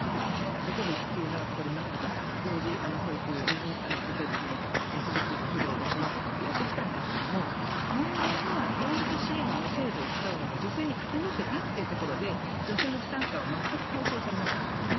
例えば育休を長く取れますとか病児保育に補助を出しますとかやってきたんですが問題は両立支援の制度を使うのが女性に偏っていたというところで女性の負担感は全く解消されなかったんですね。